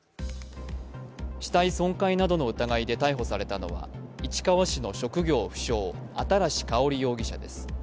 死体損壊などの疑いで逮捕されたのは市川市の職業不詳・新かほり容疑者です。